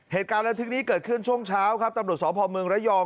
เหตุการณ์ระทึกนี้เกิดขึ้นช่วงเช้าครับตำรวจสพเมืองระยอง